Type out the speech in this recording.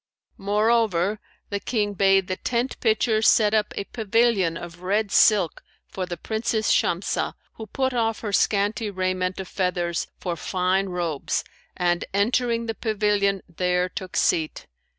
Moreover the King bade the tent pitchers set up a pavilion of red silk for the Princess Shamsah, who put off her scanty raiment of feathers for fine robes and, entering the pavilion, there took seat.